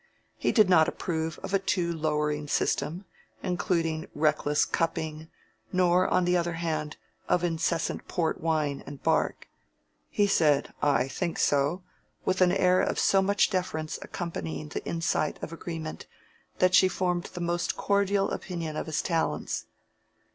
He did not approve of a too lowering system, including reckless cupping, nor, on the other hand, of incessant port wine and bark. He said "I think so" with an air of so much deference accompanying the insight of agreement, that she formed the most cordial opinion of his talents.